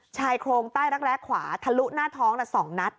ชายโครงใต้รักแร้ขวาทะลุหน้าท้อง๒นัด